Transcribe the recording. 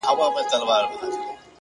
خلوت پر شخصيت د عبادت له مينې ژاړي-